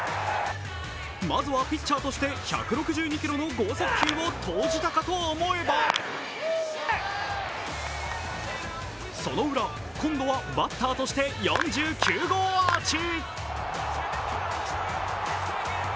まずはピッチャーとして１６２キロの剛速球を投じたと思えばそのウラ、今度はバッターとして４９号アーチ。